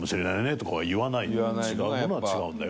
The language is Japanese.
違うものは違うんだよって。